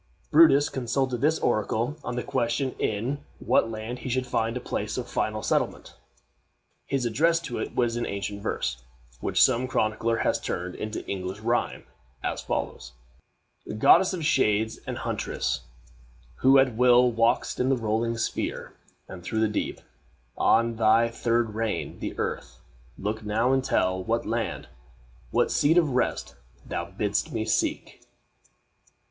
Brutus consulted this oracle on the question in what land he should find a place of final settlement. His address to it was in ancient verse, which some chronicler has turned into English rhyme as follows: "Goddess of shades and huntress, who at will Walk'st on the rolling sphere, and through the deep, On thy third reign, the earth, look now and tell What land, what seat of rest thou bidd'st me seek?"